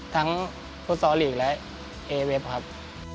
ทั้งฟุตสอลีกและเอเวฟครับ